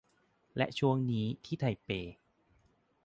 และช่วงนี้ที่ไทเป